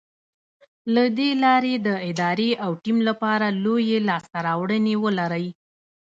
له دې لارې د ادارې او ټيم لپاره لویې لاسته راوړنې ولرئ.